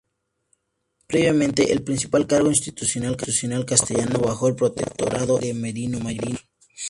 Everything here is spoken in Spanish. Previamente, el principal cargo institucional castellano bajo el protectorado era el de "merino mayor".